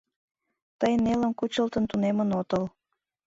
Тый нелым кучылтын тунемын отыл...